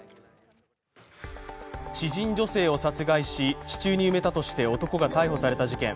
知人女性を殺害し、地中に埋めたとして男が逮捕された事件。